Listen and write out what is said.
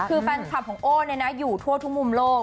คือแฟนคลับของโอ้อยู่ทั่วทุกมุมโลก